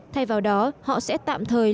thay vào đó họ sẽ tạm thời